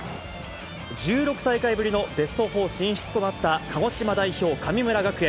１６大会ぶりのベスト４進出となった鹿児島代表、神村学園。